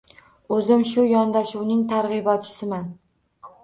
O‘zim shu yondoshuvning targ‘ibotchisiman.